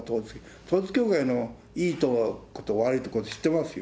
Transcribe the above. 統一教会のいいところと悪いところと知ってますよ。